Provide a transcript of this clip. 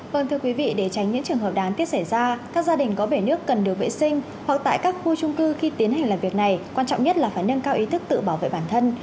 vâng thưa quý vị để tránh những trường hợp đáng tiếc xảy ra các gia đình có bể nước cần được vệ sinh hoặc tại các khu trung cư khi tiến hành làm việc này quan trọng nhất là phải nâng cao ý thức tự bảo vệ bản thân